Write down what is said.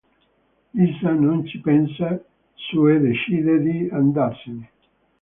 Lisa non ci pensa su e decide di andarsene.